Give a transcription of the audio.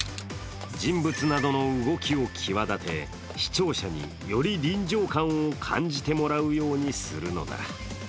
人物などの動きを際立て視聴者により臨場感を感じてもらうようにするのだ。